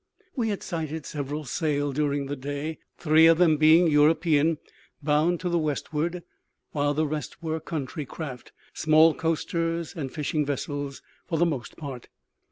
We had sighted several sail during the day, three of them being European, bound to the westward, while the rest were country craft small coasters and fishing vessels for the most part.